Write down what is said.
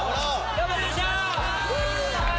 頑張りましょう！